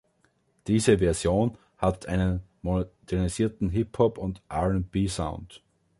Diese Version hat einen modernisierten Hip-Hop- und R&B-Sound.